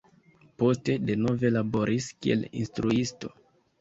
Poste, denove laboris kiel instruisto.